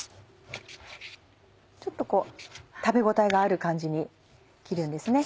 ちょっと食べ応えがある感じに切るんですね。